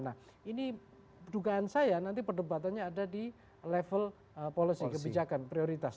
nah ini dugaan saya nanti perdebatannya ada di level policy kebijakan prioritas